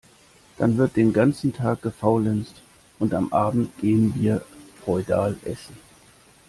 Dann wird den ganzen Tag gefaulenzt und am Abend gehen wir feudal Essen.